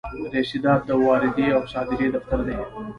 رسیدات د واردې او صادرې دفتر دی.